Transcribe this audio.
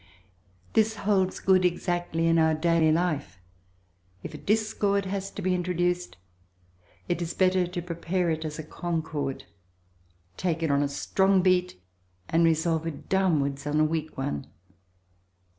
This holds good exactly in our daily life. If a discord has to be introduced, it is better to prepare it as a concord, take it on a strong beat, and resolve it downwards on a weak one.